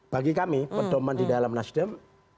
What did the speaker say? bagi kami pendoman di dalam mas dem